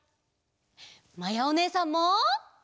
まやおねえさんも！